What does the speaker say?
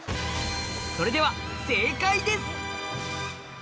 それでは正解です！